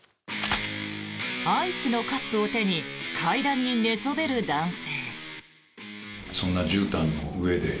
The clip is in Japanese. アイスのカップを手に階段に寝そべる男性。